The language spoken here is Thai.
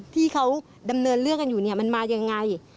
ที่เขาดำเนินเลือกกันอยู่มันมาอย่างไร